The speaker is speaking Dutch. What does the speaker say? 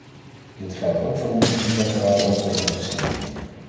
Dit geldt ook voor onze bilaterale overeenkomsten.